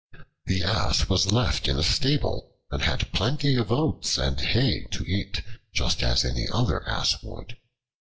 The Ass was left in a stable and had plenty of oats and hay to eat, just as any other Ass would.